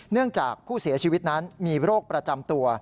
เนื่องจากผู้เสียชีวิตนั้นมีโรคประจำตัว